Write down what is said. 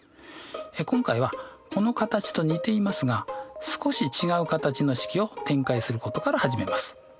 今回はこの形と似ていますが少し違う形の式を展開することから始めます。